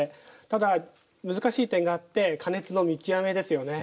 ただ難しい点があって「加熱の見極め」ですよね。